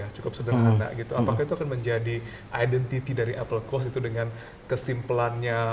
apakah itu akan menjadi identitas dari apple coast dengan kesimpelannya